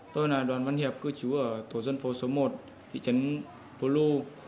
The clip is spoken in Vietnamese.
tôi là đoán văn hiệp cư trú ở thổ dân phố số một thị trấn phố lu